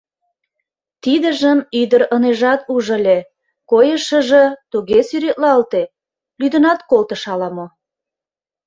Тидыжым ӱдыр ынежат уж ыле — койышыжо туге сӱретлалте, лӱдынат колтыш ала-мо.